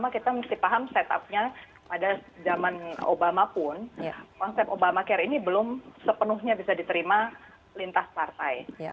kita mesti paham setupnya pada zaman obama pun konsep obamacare ini belum sepenuhnya bisa diterima lintas partai